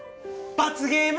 罰ゲーム！